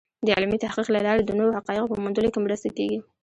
د علمي تحقیق له لارې د نوو حقایقو په موندلو کې مرسته کېږي.